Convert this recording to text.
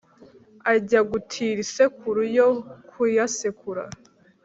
ajya gutira isekuru yo kuyasekura